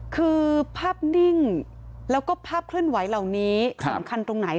คือภาพนิ่งแล้วก็ภาพเคลื่อนไหวเหล่านี้สำคัญตรงไหน